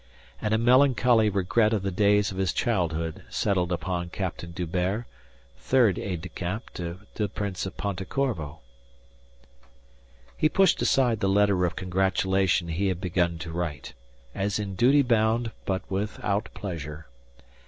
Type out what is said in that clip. And a melancholy regret of the days of his childhood settled upon Captain D'Hubert, third aide de camp to the Prince of Ponte Corvo. He pushed aside the letter of congratulation he had begun to write, as in duty bound but without pleasure.